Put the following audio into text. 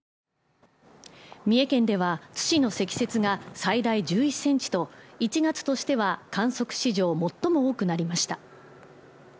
三重県では津市の積雪が最大１１センチと１月としては観測史上最も多くなりました